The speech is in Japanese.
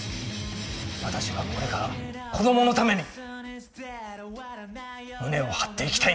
私はこれから子供のために胸を張って生きたいんです。